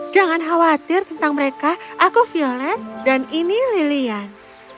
jangan khawatir tentang mereka aku violet dan ini lilian